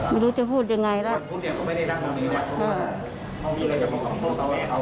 ไม่รู้จะพูดยังไงล่ะ